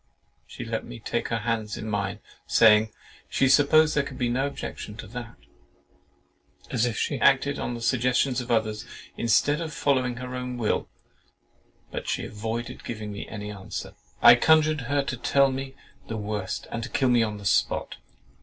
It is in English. She let me take her hands in mine, saying, "She supposed there could be no objection to that,"—as if she acted on the suggestions of others, instead of following her own will—but still avoided giving me any answer. I conjured her to tell me the worst, and kill me on the spot.